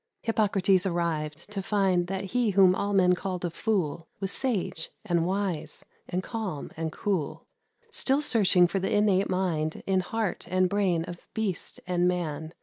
Hippocrates arrived, to find That he whom all men called a fool Was sage, and wise, and calm, and cool, Still searching for the innate mind In heart and brain of beast and man.